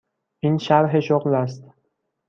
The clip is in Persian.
این شرح شغل است.